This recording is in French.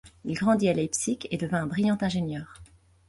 Il grandit à Leipzig et devint un brillant ingénieur.